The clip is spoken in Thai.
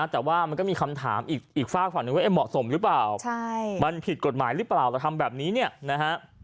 ที่ทำแบบนี้เนี่ยนะฮะ